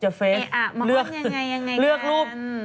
จะเปิดออกเหลือรูป